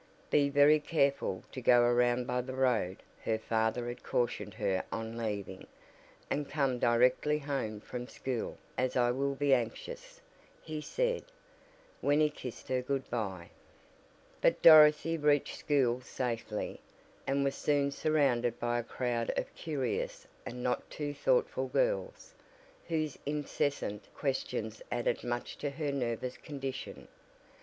"Be very careful to go around by the road," her father had cautioned her on leaving, "and come directly home from school as I will be anxious," he said, when he kissed her good bye. But Dorothy reached school safely, and was soon surrounded by a crowd of curious, and not too thoughtful girls, whose incessant questions added much to her nervous condition.